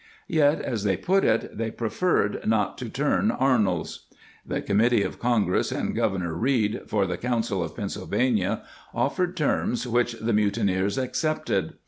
Yet, as they put it, they preferred not " to turn Ar nolds." * The Committee of Congress and Gov ernor Reed, for the Council of Pennsylvania, of fered terms which the mutineers accepted.